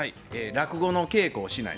落語の稽古をしない。